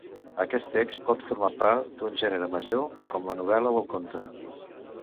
Aquest text pot formar part d'un gènere major, com la novel·la o el conte.